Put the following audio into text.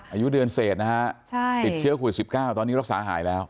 อายุเดือนเศษนะฮะติดเชื้อโควิด๑๙ตอนนี้รักษาหายแล้ว